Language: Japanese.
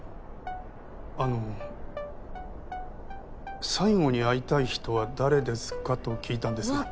あの「最後に会いたい人は誰ですか？」と聞いたんですけど。